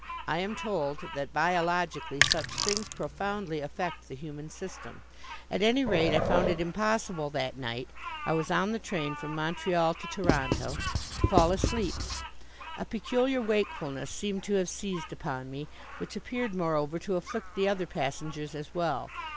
I am told that, biologically, such things profoundly affect the human system. At any rate I found it impossible that night I was on the train from Montreal to Toronto to fall asleep. A peculiar wakefulness seemed to have seized upon me, which appeared, moreover, to afflict the other passengers as well.